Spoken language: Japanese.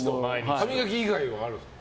歯磨き以外はあるんですか？